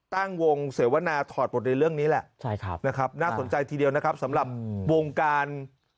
ตั้งวงเสวนาถอดบทเรียนเรื่องนี้แหละใช่ครับนะครับน่าสนใจทีเดียวนะครับสำหรับวงการ